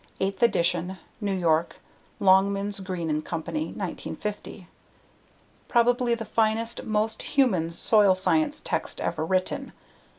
_ Eighth Edition. New York: Longmans, Green & Co., 1950. Probably the finest, most human soil science text ever written.